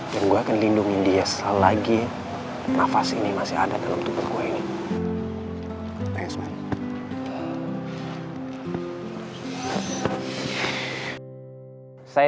dan gue akan lindungi dia selagi nafas ini masih ada dalam tubuh gue ini